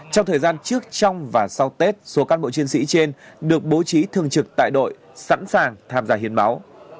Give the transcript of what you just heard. trong thời gian trước trong và sau tết số cán bộ chiến sĩ trên được bố trí thường trực tại đội sẵn sàng tham gia hiến máu